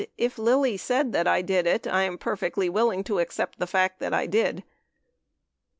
. if Lilly said that I did it, I am perfectly willing to accept the fact that I did. .